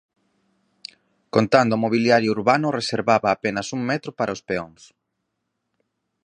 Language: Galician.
Contando o mobiliario urbano reservaba apenas un metro para os peóns.